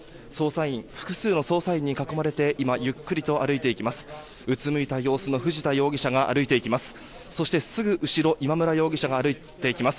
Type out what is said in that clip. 複数の捜査員に連れられて今、ゆっくりと歩いていきます。